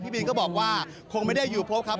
บินก็บอกว่าคงไม่ได้อยู่พบครับ